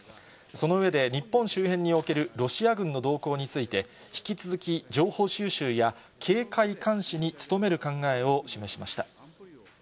その上で、日本周辺におけるロシア軍の動向について、引き続き、情報収集や警戒監視に努める考えを示しました。